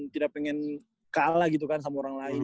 tidak pengen kalah gitu kan sama orang lain